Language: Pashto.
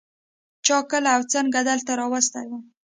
چا کله او څنگه دلته راوستى وم.